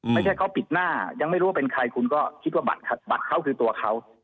ไม่ใช่เขาปิดหน้ายังไม่รู้ว่าเป็นใครคุณก็คิดว่าบัตรเขาคือตัวเขา